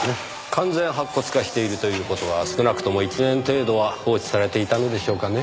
完全白骨化しているという事は少なくとも１年程度は放置されていたのでしょうかね？